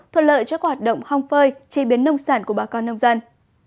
thuận lợi cho các hoạt động hong phơi chế biến nông sản của bà con nông dân